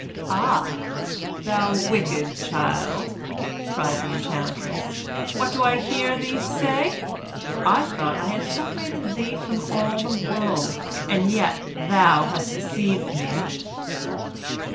"Ah! you wicked child," cried the enchantress, "what do I hear you say! I thought I had separated you from all the world, and yet you have deceived me!"